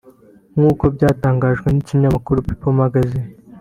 Mkuko byatangajwe n’ ikinyamakuru people magazine